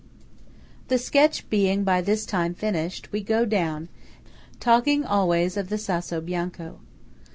The sketch being by this time finished, we go down, talking always of the Sasso Bianco.